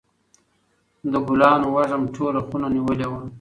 د ګلانو وږم ټوله خونه نیولې وه.